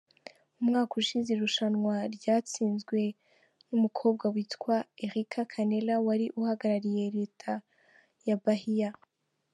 Umwaka ushize irushanwa ryatsinzwe n’umukobwa witwa Erika Canela wari uhagarariye Leta ya Bahia.